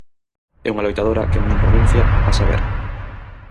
É unha loitadora que non renuncia a saber.